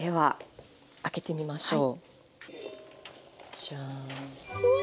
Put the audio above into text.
じゃん！